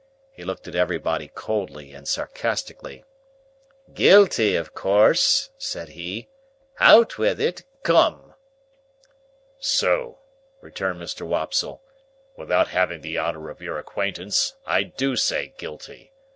He looked at everybody coldly and sarcastically. "Guilty, of course?" said he. "Out with it. Come!" "Sir," returned Mr. Wopsle, "without having the honour of your acquaintance, I do say Guilty."